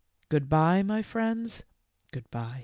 Good by, my friends, good by."